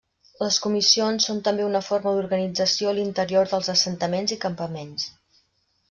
Les comissions són també una forma d'organització a l'interior dels assentaments i campaments.